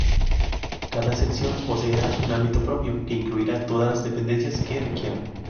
Cada sección poseerá un ámbito propio, que incluirá todas las dependencias que requieran.